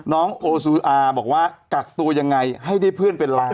น้องโอซูอาบอกว่ากักตัวยังไงให้ได้เพื่อนเป็นล้าน